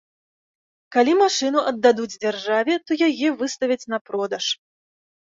Калі машыну аддадуць дзяржаве, то яе выставяць на продаж.